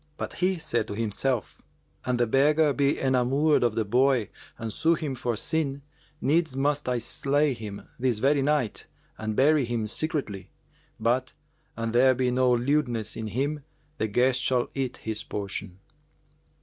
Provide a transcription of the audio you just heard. But he said to himself, "An the beggar be enamoured of the boy and sue him for sin, needs must I slay him this very night and bury him secretly. But, an there be no lewdness in him, the guest shall eat his portion."